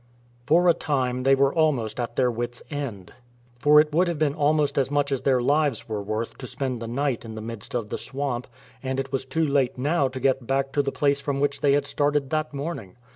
For a time they were almost at their wits'* end, for it would have been almost as much as their lives were worth to spend the night in the midst of the swamp, and it was too late now to get back to the place from which they had started that morning.